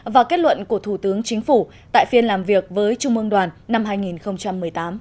và kết luận của thủ tướng chính phủ tại phiên làm việc với trung mương đoàn năm hai nghìn một mươi tám